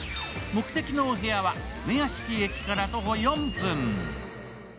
目的のお部屋は梅屋敷駅から徒歩４分。